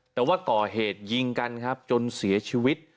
แต่ว่าก่อเหตุยิงกันครับจนเสียชีวิต